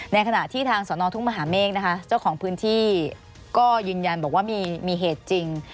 ในขณะที่ทางสนทุ่งมหาเมฆนะคะเจ้าของพื้นที่ก็ยืนยันบอกว่ามีเหตุจริง